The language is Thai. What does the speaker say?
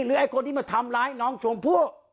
หรือคนที่มาทำร้ายน้องส่วนผู้